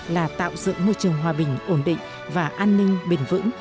là tạo dựng môi trường hòa bình ổn định và an ninh bền vững